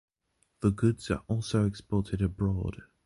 The goods are also exported abroad.